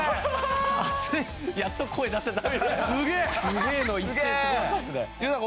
やっと声出せた。